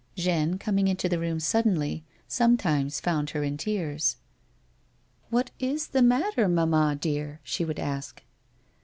Jeanne, coming into the room suddenly, sometimes found her in tears. " What is the matter, mamma, dear ?" she would ask.